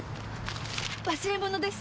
忘れ物ですよ。